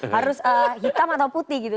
harus hitam atau putih gitu